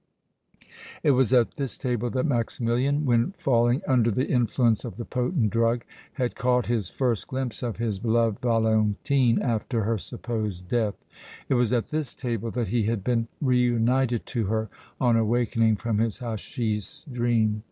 It was at this table that Maximilian, when falling under the influence of the potent drug, had caught his first glimpse of his beloved Valentine after her supposed death; it was at this table that he had been reunited to her on awaking from his hatchis dream.